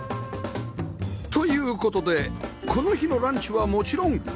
という事でこの日のランチはもちろんカレー